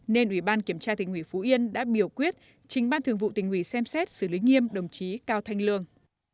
nên ủy ban kiểm tra tỉnh ủy phú yên đã biểu quyết trình ban thường vụ tỉnh ủy xem xét xử lý nghiêm đồng chí cao thanh lương